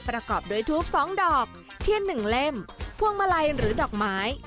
ประกอบด้วยทูป๒ดอกเทียน๑เล่มพวงมาลัยหรือดอกไม้